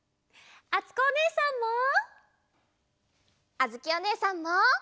あづきおねえさんも。